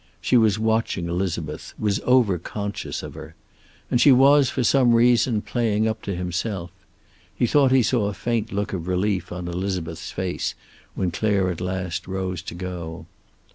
She was watching Elizabeth, was overconscious of her. And she was, for some reason, playing up to himself. He thought he saw a faint look of relief on Elizabeth's face when Clare at last rose to go.